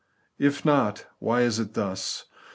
If not, why is it thus ?